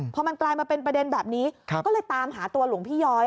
พอมันกลายมาเป็นประเด็นแบบนี้ก็เลยตามหาตัวหลวงพี่ย้อย